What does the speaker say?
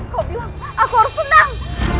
kau bilang aku harus tenang